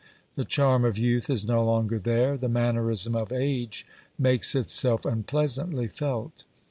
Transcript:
The charm of youth is no longer there; the mannerism of age makes itself unpleasantly felt.